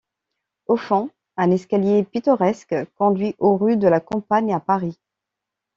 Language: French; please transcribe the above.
Au fond, un escalier pittoresque conduit aux rues de la Campagne à Paris.